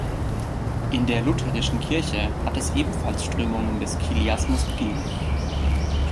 In der Lutherischen Kirche hat es ebenfalls Strömungen des Chiliasmus gegeben.